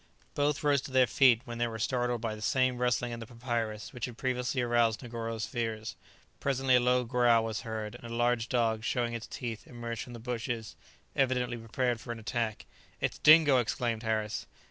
Both rose to their feet, when they were startled by the same rustling in the papyrus which had previously aroused Negoro's fears. Presently a low growl was heard, and a large dog, showing his teeth, emerged from the bushes, evidently prepared for an attack. "It's Dingo!" exclaimed Harris.